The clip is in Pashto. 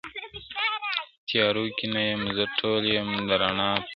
تيارو كي نه يمه زه ټول يم د رڼا پـــر پـــاڼــــــــــــه,